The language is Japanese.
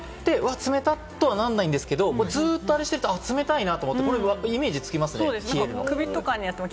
触って「うわっ！冷っ！」とはならないんですが、ずっとあれしてると冷たいなと思って、イメージつきますね。